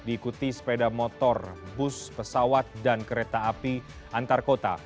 diikuti sepeda motor bus pesawat dan kereta api antar kota